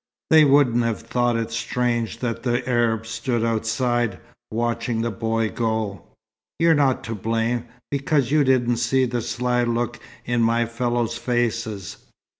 "They wouldn't have thought it strange that the Arabs stood outside, watching the boy go. You're not to blame, because you didn't see the sly look in my fellows' faces.